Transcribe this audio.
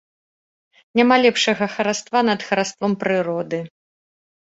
Няма лепшага хараства над хараством прыроды.